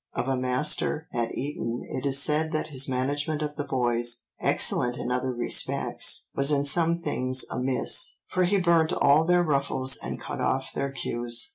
Of a master at Eton it is said that his management of the boys, excellent in other respects, was in some things amiss, for "he burnt all their ruffles, and cut off their queues."